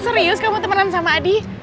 serius kamu temenan sama adi